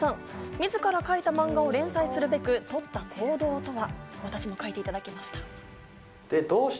みずから描いた漫画を連載するべく、とった行動とは。